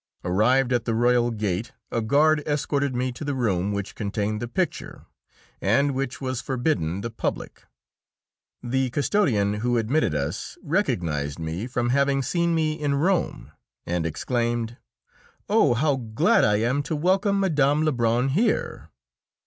Arrived at the royal gate, a guard escorted me to the room which contained the picture, and which was forbidden the public. The custodian who admitted us recognised me from having seen me in Rome, and exclaimed, "Oh, how glad I am to welcome Mme. Lebrun here!"